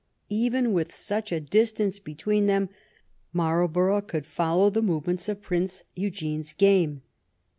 Even with such a distance between them, Marlborough could follow the move ments of Prince Eugene's game.